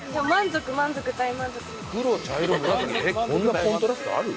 えっこんなコントラストある？